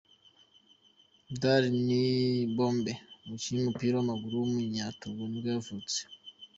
Daré Nibombé, umukinnyi w’umupira w’amaguru w’umunyatogo nibwo yavutse.